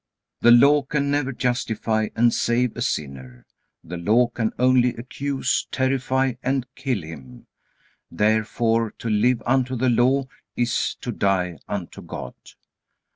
The Law can never justify and save a sinner. The Law can only accuse, terrify, and kill him. Therefore to live unto the Law is to die unto God.